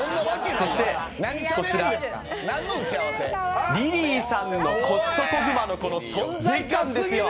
そしてこちら、りりーさんのコストコぐまの存在感ですよ。